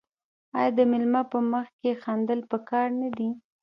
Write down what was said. آیا د میلمه په مخ کې خندل پکار نه دي؟